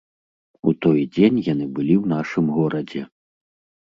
У той дзень яны былі ў нашым горадзе.